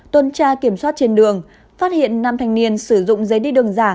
tuần tra kiểm soát trên đường phát hiện năm thanh niên sử dụng giấy đi đường giả